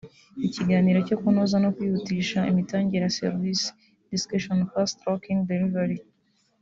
b) Ikiganiro cyo kunoza no kwihutisha imitangire ya serivisi (Discussion on fast tracking delivery)